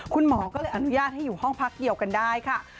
คุณหมอก็เลยอนุญาตให้อยู่ห้องพักเดียวกันได้ค่ะ